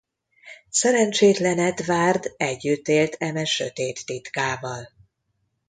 Szerencsétlen Edward együtt élt eme sötét titkával.